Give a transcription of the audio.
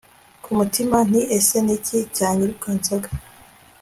kumutima nti ese niki cyanyirukansaga